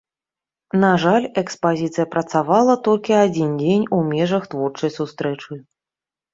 На жаль, экспазіцыя працавала толькі адзін дзень у межах творчай сустрэчы.